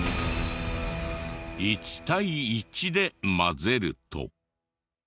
１対１で混ぜると。